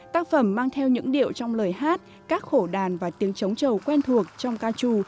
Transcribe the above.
tác phẩm mang theo những điệu trong lời hát các khổ đàn và tiếng trống trầu quen thuộc trong ca trù